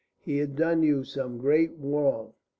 He had done you some great wrong.